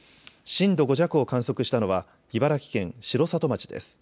震度５弱を観測したのは茨城県城里町です。